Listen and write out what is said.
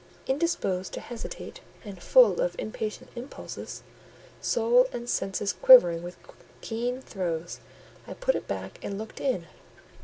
Indisposed to hesitate, and full of impatient impulses—soul and senses quivering with keen throes—I put it back and looked in.